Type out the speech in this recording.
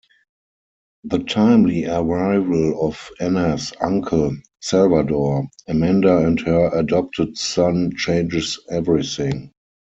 The timely arrival of Ana's uncle, Salvador, Amanda and her adopted son changes everything.